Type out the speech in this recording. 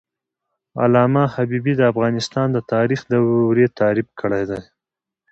علامه حبيبي د افغانستان د تاریخ دورې تعریف کړې دي.